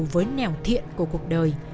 với nèo thiện của cuộc đời